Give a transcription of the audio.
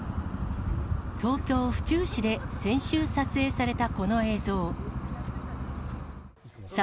東京・府中市で先週、撮影されたこの映像。